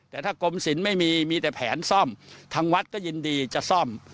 แต่ถ้ากรมศิลป์ไม่มีมีแต่แผนซ่อมทางวัดก็ยินดีจะซ่อม